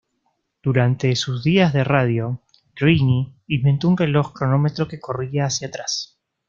Durante sus días de radio, Greene inventó un reloj cronómetro que corría hacia atrás.